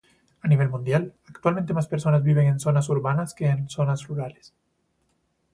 A nivel mundial, actualmente, más personas viven en zonas urbanas que en zonas rurales.